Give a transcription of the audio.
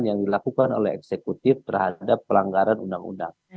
yang dilakukan oleh eksekutif terhadap pelanggaran undang undang